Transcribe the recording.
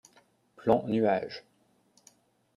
Plan nuage.